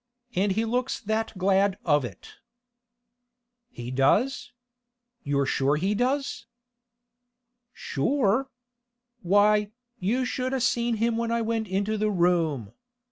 And he looks that glad of it.' 'He does? You're sure he does?' 'Sure? Why, you should a' seen him when I went into the room!